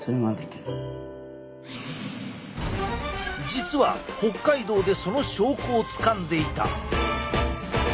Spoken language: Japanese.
実は北海道でその証拠をつかんでいた。